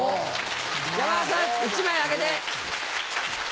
・山田さん１枚あげて。